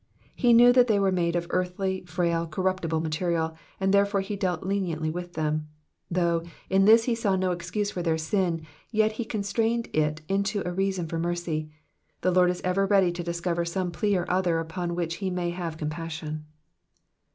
He knew that they were made of earthy, frail, corruptible material, and therefore he dealt leniently with them. Though in this he saw no excuse for their sin, yet he constrained it into a reason for mercy ; the Lord is ever ready to discover some plea or other upon which he may have compassion.